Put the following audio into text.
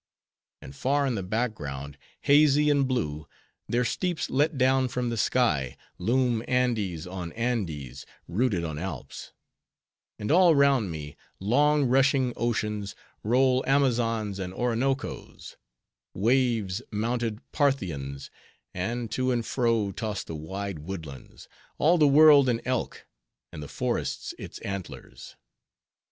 And far in the background, hazy and blue, their steeps let down from the sky, loom Andes on Andes, rooted on Alps; and all round me, long rushing oceans, roll Amazons and Oronocos; waves, mounted Parthians; and, to and fro, toss the wide woodlands: all the world an elk, and the forests its antlers.